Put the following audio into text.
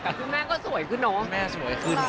คุณแม่ก็สวยขึ้นเนอะ